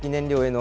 の